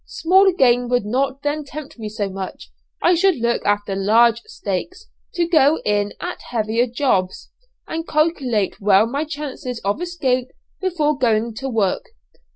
Small game would not then tempt me so much. I should look after larger stakes, go in at heavier jobs, and calculate well my chances of escape before going to work.